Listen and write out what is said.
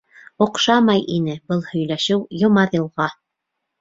Оҡшамай ине был һөйләшеү Йомаҙилға.